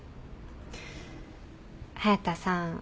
隼田さん。